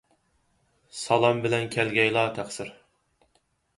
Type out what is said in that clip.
سالام بىلەن كەلگەيلا تەقسىر.